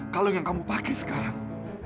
kalau yang kamu pakai sekarang